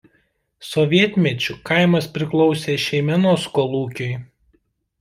Sovietmečiu kaimas priklausė Šeimenos kolūkiui.